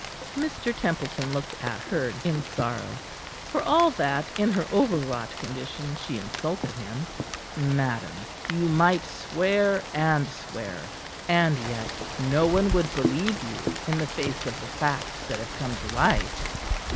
Mr. Templeton looked at her in sorrow, for all that in her overwrought condition she insulted him. "Madam, you might swear and swear, and yet no one would believe you in the face of the facts that have come to light."